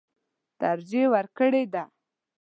ترجېح ورکړې ده.